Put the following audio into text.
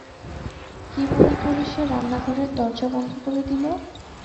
কি মনে করে সে রান্নাঘরের দরজা বন্ধ করে দিল।